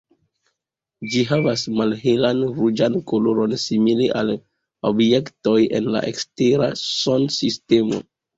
Ĝi havas malhelan ruĝan koloron, simile al objektoj en la ekstera Sunsistemo.